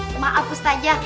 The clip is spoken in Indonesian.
salah juga ya